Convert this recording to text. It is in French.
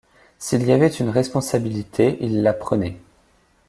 S’il y avait une responsabilité, il la prenait.